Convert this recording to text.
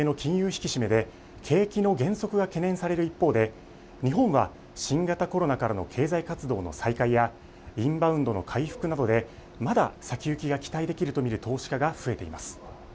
引き締めで景気の減速が懸念される一方で日本は新型コロナからの経済活動の再開やインバウンドの回復などでまだ先行きが期待できると見る投資家が増えています。